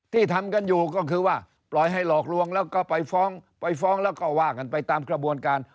ที่ทำกันอยู่ก็คือว่าปล่อยให้หลอกลวงแล้วก็ไปฟ้องไปฟ้องแล้วก็ว่ากันไปตามกระบวนการ